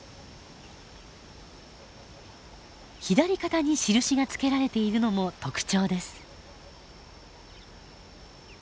左肩に印がつけられているのも特徴です。